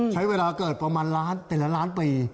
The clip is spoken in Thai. ใช้เวลาเกิดประมาณล้านแต่ละล้านปี